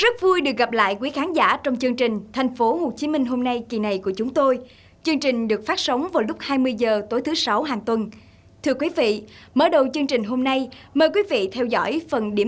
các bạn hãy đăng ký kênh để ủng hộ kênh của chúng tôi nhé